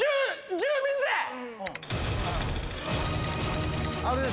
［住民税は⁉］